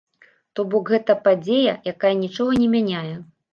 То-бок гэта падзея, якая нічога не мяняе.